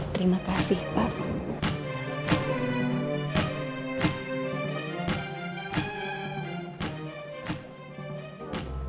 terima kasih pak